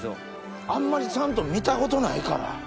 あんまりちゃんと見たことないから。